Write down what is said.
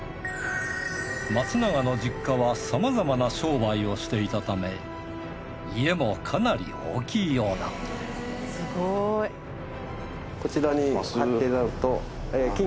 松永の実家はさまざまな商売をしていたため家もかなり大きいようだこちらに入っていただくと。